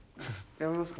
やめますか？